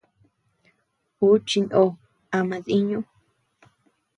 Uu chinó ama diiñu.